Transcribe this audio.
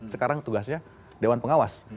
sekarang tugasnya dewan pengawas